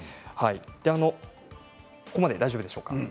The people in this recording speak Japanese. ここまで大丈夫でしょうか。